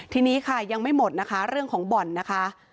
ทีนี้ค่ะยังไม่หมดนะคะเรื่องของบ่อนนะคะ